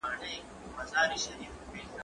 ته ولي پوښتنه کوې!.